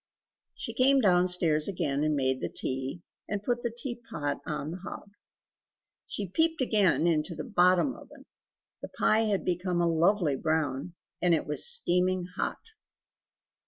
She came downstairs again, and made the tea, and put the teapot on the hob. She peeped again into the BOTTOM oven, the pie had become a lovely brown, and it was steaming hot.